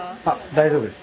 大丈夫です。